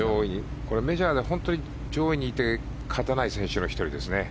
メジャーで上位にいて勝たない選手の１人ですね。